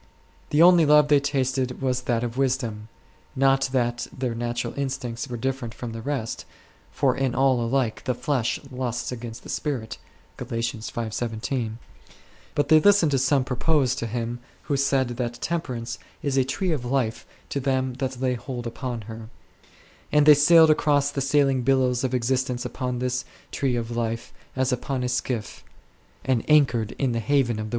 The only love they tasted was that of wisdom ; not that their natural instincts were different from the rest ; for in all alike " the flesh lusteth against the spirit 7 ;" but they listened to some purpose to him who said that Temperance "is a tree of life to them that lay hold upon her8 ;" and they sailed across the swelling billows of existence upon this tree of life, as upon a skiff, and anchored in the haven of the 6 Ps.